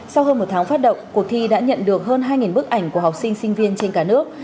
sau hơn một tháng phát động cuộc thi đã nhận được hơn hai bức ảnh của học sinh sinh viên trên cả nước